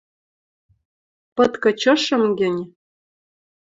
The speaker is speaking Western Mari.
– Пыт кычышым гӹнь...